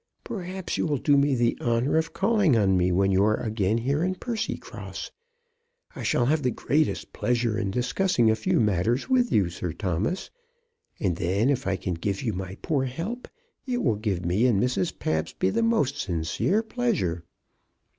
"Perhaps you will do me the honour of calling on me when you are again here in Percycross. I shall have the greatest pleasure in discussing a few matters with you, Sir Thomas; and then, if I can give you my poor help, it will give me and Mrs. Pabsby the most sincere pleasure."